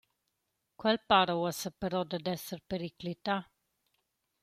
Quel para uossa però dad esser periclità.